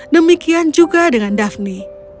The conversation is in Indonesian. demikian juga dengan daphne